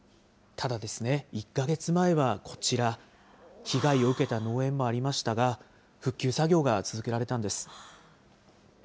ただですね、１か月前はこちら、被害を受けた農園もありましたが、復旧作業が続けられたんです。